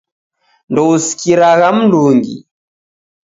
Ndousikiragha mndungi!